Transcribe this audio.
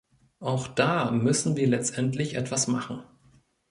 Auch da müssen wir letztendlich etwas machen.